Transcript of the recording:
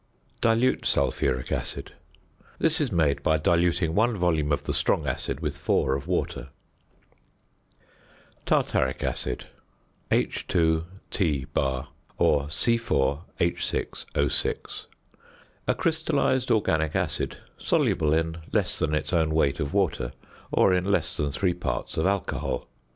~Dilute Sulphuric Acid.~ This is made by diluting 1 volume of the strong acid with 4 of water. ~Tartaric Acid~, H_[=T] or C_H_O_. A crystallised organic acid, soluble in less than its own weight of water, or in less than three parts of alcohol.